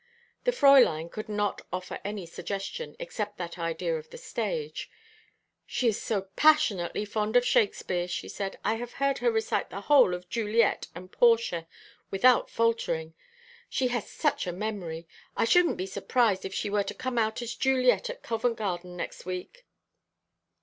The Fräulein could not offer any suggestion, except that idea of the stage. "She is so passionately fond of Shakespeare," she said. "I have heard her recite the whole of Juliet and Portia without faltering. She has such a memory. I shouldn't be surprised if she were to come out as Juliet at Covent Garden next week."